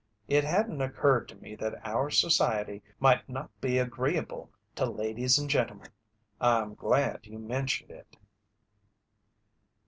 It hadn't occurred to me that our society might not be agreeable to ladies and gentlemen. I'm glad you mentioned it."